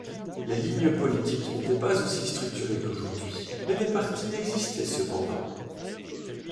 Les lignes politiques n'étaient pas aussi structurées qu'aujourd'hui, mais des partis existaient cependant.